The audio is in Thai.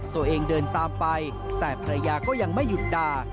ตัวเองเดินตามไปแต่ภรรยาก็ยังไม่หยุดด่า